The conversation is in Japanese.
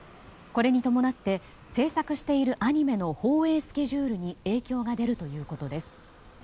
これに伴って、制作しているアニメの放映スケジュールに影響が出るということです。